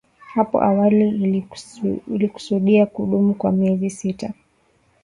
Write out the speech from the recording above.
Hapo awali ilikusudia kudumu kwa miezi sita.